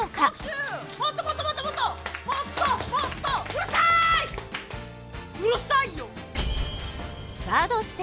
うるさいよ！